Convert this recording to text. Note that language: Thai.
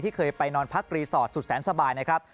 เคยไปนอนพักรีสอร์ทสุดแสนสบายนะครับ